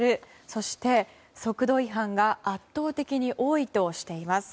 そして、速度違反が圧倒的に多いとしています。